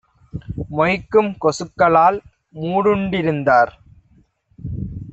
மொய்க்கும் கொசுக்களால் மூடுண் டிருந்தார்.